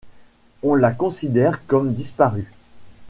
On la considère comme disparue.